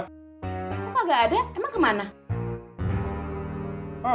kok kagak ada emang kemana